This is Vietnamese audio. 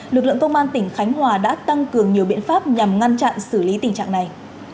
lực lượng công an tỉnh khánh hòa đã tăng cường nhiều biện pháp nhằm ngăn chặn xử lý tình trạng này